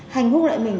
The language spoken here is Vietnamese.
hành hút lại mình